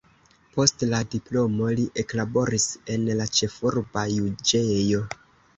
Post la diplomo li eklaboris en la ĉefurba juĝejo.